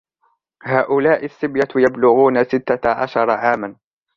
هؤلاء الصبية يبلغون ستة عشر عاماً.